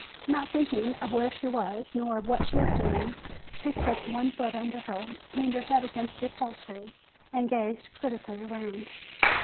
Not thinking of where she was, nor of what she was doing, she slipped one small foot under her, leaned her head against the upholstery and gazed critically around.